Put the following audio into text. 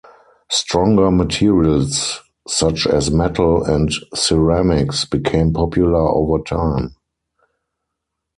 Stronger materials such as metal and ceramics became popular over time.